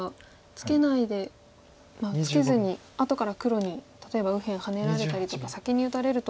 ツケずに後から黒に例えば右辺ハネられたりとか先に打たれると。